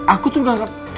aku tuh gak ngerti